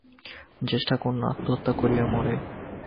জ্যেষ্ঠা কন্যা আত্মহত্যা করিয়া মরে।